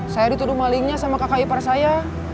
saya dituduh malingnya sama kakak ipar saya